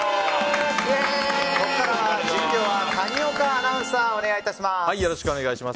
ここからは実況は谷岡アナウンサーよろしくお願いします。